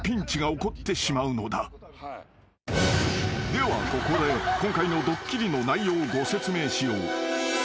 ［ではここで今回のドッキリの内容をご説明しよう］